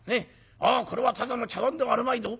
「ああこれはただの茶碗ではあるまいぞ。